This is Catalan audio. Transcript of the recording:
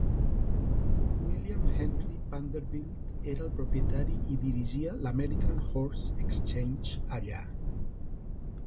William Henry Vanderbilt era el propietari i dirigia l'American Horse Exchange allà.